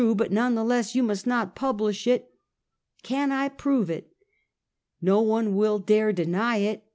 But none the less you must not publish it!" "Can I prove it?" "Ko one will dare deny it.